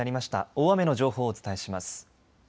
大雨の情報をお伝えします。